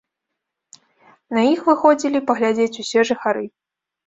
На іх выходзілі паглядзець усе жыхары.